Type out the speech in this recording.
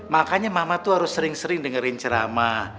makanya mama tuh harus sering sering dengerin ceramah